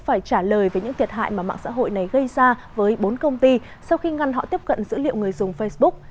phải trả lời về những thiệt hại mà mạng xã hội này gây ra với bốn công ty sau khi ngăn họ tiếp cận dữ liệu người dùng facebook